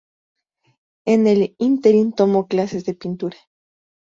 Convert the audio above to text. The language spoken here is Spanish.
En el ínterin tomó clases de pintura.